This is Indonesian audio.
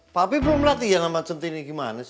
papi belum latihan sama centini gimana sih